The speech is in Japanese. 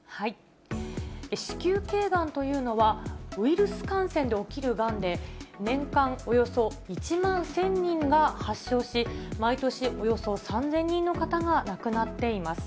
子宮けいがんというのは、ウイルス感染で起きるがんで、年間およそ１万１０００人が発症し、毎年およそ３０００人の方が亡くなっています。